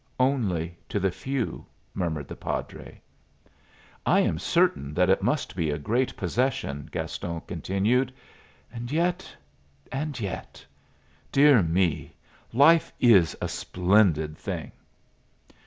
Only to the few," murmured the padre. "I am certain that it must be a great possession," Gaston continued; "and yet and yet dear me! life is a splendid thing!"